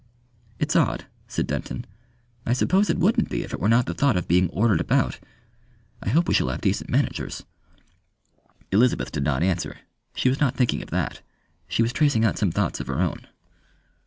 "It's odd," said Denton. "I suppose it wouldn't be if it were not the thought of being ordered about.... I hope we shall have decent managers." Elizabeth did not answer. She was not thinking of that. She was tracing out some thoughts of her own.